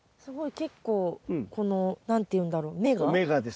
すごい結構この何ていうんだろう？芽が。